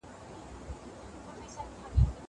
اوس راغلى انقلاب دئ